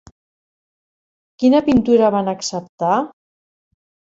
Quina pintura van acceptar?